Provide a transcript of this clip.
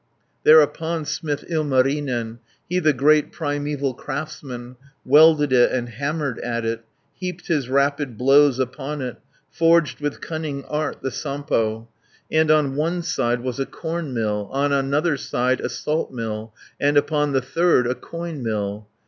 Thereupon smith Ilmarinen, He the great primeval craftsman, 410 Welded it and hammered at it, Heaped his rapid blows upon it, Forged with cunning art the Sampo, And on one side was a corn mill, On another side a salt mill, And upon the third a coin mill.